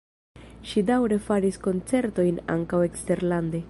Ŝi daŭre faris koncertojn ankaŭ eksterlande.